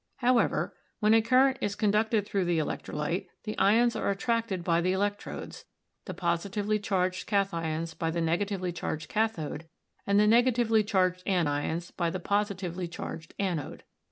However, when a current is conducted through the electrolyte, the ions are attracted by the electrodes, the positively charged kathions by the. negatively charged cathode, and the negatively charged anions by the positively charged anode.